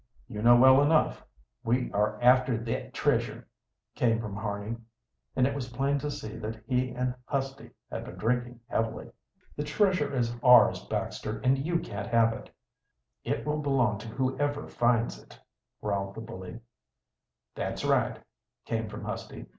"You know well enough." "We are after thet treasure," came from Harney, and it was plain to see that he and Husty had been drinking heavily. "The treasure is ours, Baxter, and you can't touch it." "It will belong to whoever finds it," growled the bully. "That's right," came from Husty.